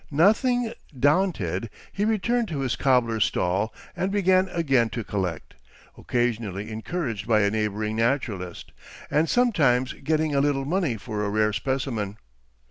Nothing daunted, he returned to his cobbler's stall, and began again to collect, occasionally encouraged by a neighboring naturalist, and sometimes getting a little money for a rare specimen.